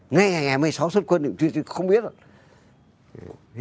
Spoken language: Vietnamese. ngay ngày một mươi sáu xuất quân thì không biết rồi